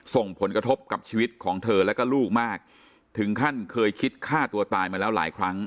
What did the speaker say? ส่งผลกระทบกับชีวิตของเธอแล้วก็ลูกมากถึงขั้นเคยคิดฆ่าตัวตายมาแล้วหลายครั้ง